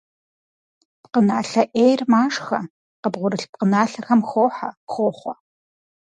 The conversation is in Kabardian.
Пкъыналъэ «Ӏейр» машхэ, къыбгъурылъ пкъыналъэхэм хохьэ, хохъуэ.